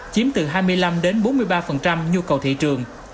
chiếm từ hai mươi năm đến bốn mươi ba nhu cầu thị trường